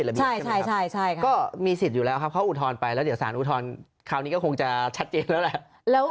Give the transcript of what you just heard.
เดี๋ยวกลายเป็นต้องรออีกไหม